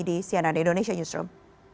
di cnn indonesia newsroom